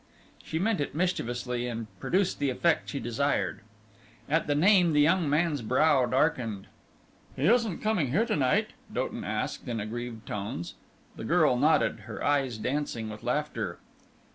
She meant it mischievously, and produced the effect she desired. At the name the young man's brow darkened. "He isn't coming here to night?" Doughton asked, in aggrieved tones. The girl nodded, her eyes dancing with laughter.